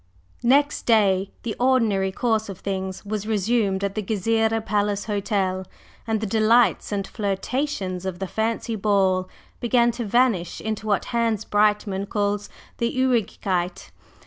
/Next/ day the ordinary course of things was resumed at the Gezireh Palace Hotel, and the delights and flirtations of the fancy ball began to vanish into what Hans Breitmann calls "the ewigkeit."